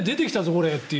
これっていう。